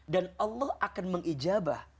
dan allah akan mengijabah